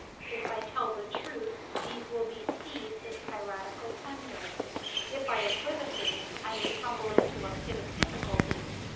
If I tell the truth, they will be seized as piratical plunder. If I equivocate, I may tumble into a pit of difficulties.